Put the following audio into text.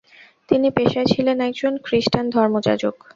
তিনি পেশায় ছিলেন একজন খ্রিষ্টান ধর্মযাজক।